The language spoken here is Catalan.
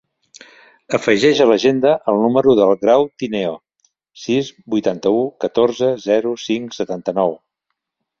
Afegeix a l'agenda el número del Grau Tineo: sis, vuitanta-u, catorze, zero, cinc, setanta-nou.